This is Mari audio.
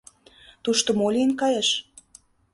«Тушто мо лийын кайыш?